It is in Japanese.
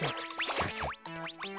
ささっと。